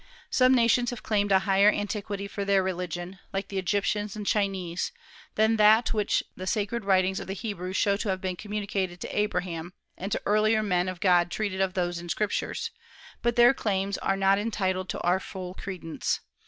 Some nations have claimed a higher antiquity for their religion like the Egyptians and Chinese than that which the sacred writings of the Hebrews show to have been communicated to Abraham, and to earlier men of God treated of in those Scriptures; but their claims are not entitled to our full credence.